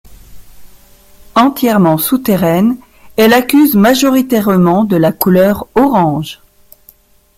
Entièrement souterraine, elle accuse majoritairement de la couleur orange.